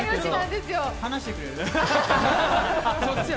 離してくれる？